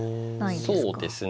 そうですね。